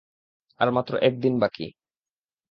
আর মাত্র একদিন বাকী।